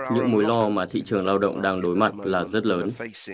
những mối lo mà thị trường lao động đang đối mặt là rất lớn